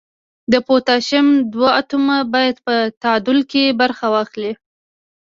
د پوتاشیم دوه اتومه باید په تعامل کې برخه واخلي.